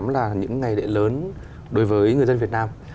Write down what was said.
là những ngày lễ lớn đối với người dân việt nam